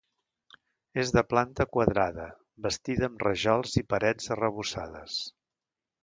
És de planta quadrada, bastida amb rajols i parets arrebossades.